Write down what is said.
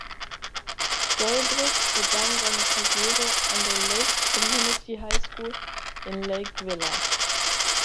Solbrig begann seine Karriere an der Lakes Community High School in Lake Villa.